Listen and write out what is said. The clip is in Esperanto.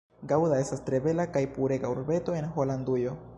Gaŭda estas tre bela kaj purega urbeto en Holandujo.